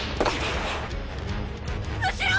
後ろ！